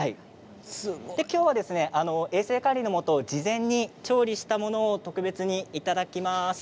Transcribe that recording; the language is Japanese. きょうは衛生管理のもと事前に調理したものを特別にいただきます。